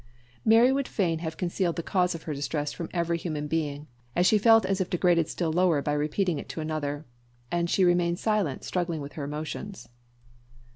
Mary would fain have concealed the cause of her distress from every human being, as she felt as if degraded still lower by repeating it to another; and she remained silent, struggling with her emotions.